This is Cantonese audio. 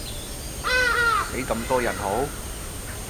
死咁多人好？